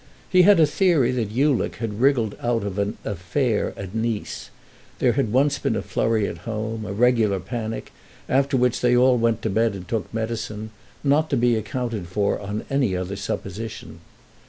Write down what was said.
He had a theory that Ulick had wriggled out of an "affair" at Nice: there had once been a flurry at home, a regular panic, after which they all went to bed and took medicine, not to be accounted for on any other supposition.